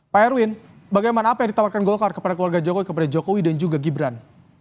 pak erwin bagaimana apa yang ditawarkan golkar kepada keluarga jokowi kepada jokowi dan juga gibran